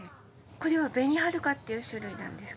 これは紅はるかっていう種類なんですけど。